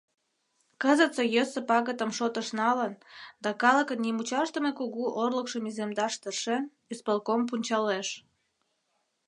Кызытсе йӧсӧ пагытым шотыш налын да калыкын нимучашдыме кугу орлыкшым иземдаш тыршен, исполком пунчалеш: